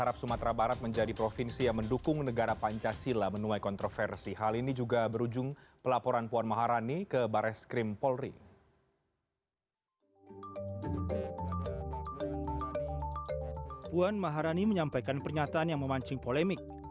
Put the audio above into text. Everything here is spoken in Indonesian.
puan maharani menyampaikan pernyataan yang memancing polemik